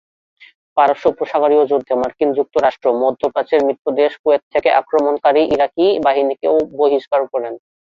পারস্য উপসাগরীয় যুদ্ধে মার্কিন যুক্তরাষ্ট্র মধ্যপ্রাচ্যের মিত্র দেশ কুয়েত থেকে আক্রমণকারী ইরাকি বাহিনীকে বহিষ্কার করে।